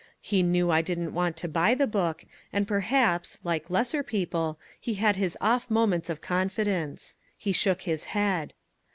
He knew I didn't want to buy the book, and perhaps, like lesser people, he had his off moments of confidence. He shook his head.